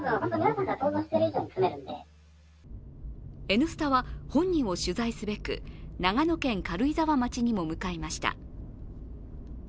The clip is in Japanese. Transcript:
「Ｎスタ」は本人を取材すべく長野県軽井沢町にも向かいました。